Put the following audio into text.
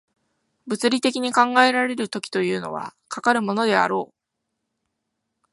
物理的に考えられる時というのは、かかるものであろう。